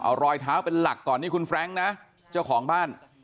เอารอยเท้าเป็นหลักก่อนนี่คุณแร้งนะเจ้าของบ้าน